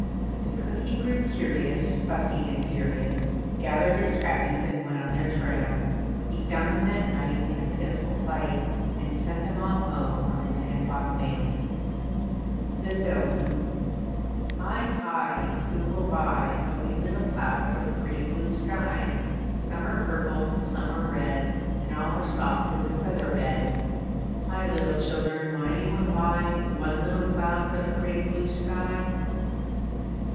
But the cook he grew curious, Fussy, and furious; Gathered his trappings, and went on their trail. He found them that night in a pitiful plight, And sent them all home on the ten o'clock mail. [Illustration: HI! HI! WHO WILL BUY A WEE LITTLE CLOUD] THE SALESMAN Hi! Hi! Who will buy A wee little cloud for the pretty blue sky? Some are purple, some are red, And all are soft as a feather bed. Hi! Little children, won't any one buy One little cloud for the pretty blue sky?